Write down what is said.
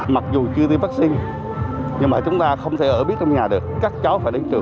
mặc dù chưa đi vắc xin nhưng mà chúng ta không thể ở biết trong nhà được các cháu phải đến trường